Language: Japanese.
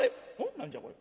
何じゃこれ？